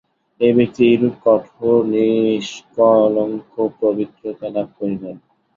এই ব্যক্তি এইরূপ কঠোর নিষ্কলঙ্ক পবিত্রতা লাভ করিলেন।